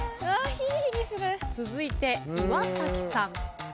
続いて岩さん。